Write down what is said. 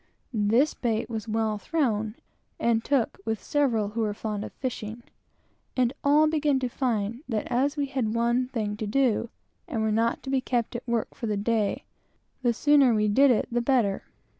This bait was well thrown, and took with several who were fond of fishing; and all began to find that as we had one thing to do, and were not to be kept at work for the day, the sooner we did it, the better.